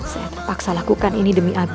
saya terpaksa lakukan ini demi abis